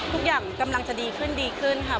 ทุกอย่างกำลังจะดีขึ้นดีขึ้นค่ะ